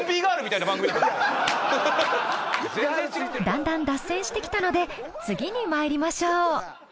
だんだん脱線してきたので次にまいりましょう。